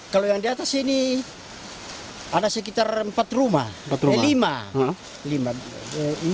kalau yang di atas sini ada sekitar empat rumah